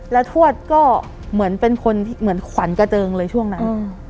แล้วทวดก็เหมือนเป็นคนเหมือนขวัญกระเจิงเลยช่วงนั้น